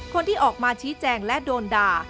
คนที่ออกมาชี้แจงและโดนด่า